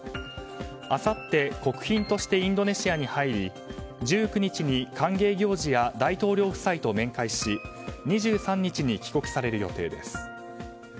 あさって、国賓としてインドネシアに入り１９日に歓迎行事や大統領夫妻と面会し２３日に帰国される予定です。